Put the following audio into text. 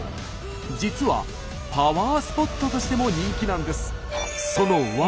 実はパワースポットとしても人気なんです。